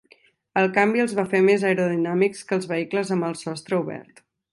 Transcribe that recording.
El canvi els va fer més aerodinàmics que els vehicles amb el sostre obert.